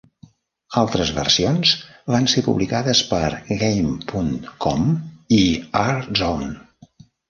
Altres versions van ser publicades pel Game punt com i R-Zone.